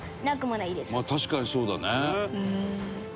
「まあ確かにそうだね」